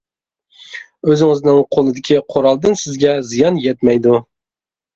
ئۆزىڭىزنىڭ قولىدىكى قورالدىن سىزگە زىيان يەتمەيدۇ.